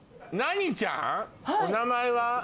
何ちゃん？お名前は？